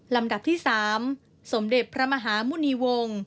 ลำดับที่๓สมเด็จพระมหาหมุณีวงศ์